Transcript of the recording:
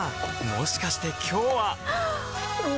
もしかして今日ははっ！